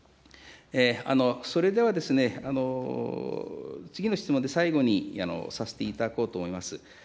それでは、次の質問で最後にさせていただこうと思います。